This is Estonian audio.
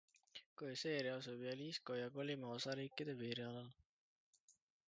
Queseria asub Jalisco ja Colima osariikide piirialal.